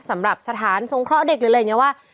สำหรับสถานสงเคราะห์เด็กหรืออะไรอย่างนี้ว่า